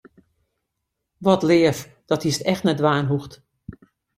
Wat leaf, dat hiest echt net dwaan hoegd.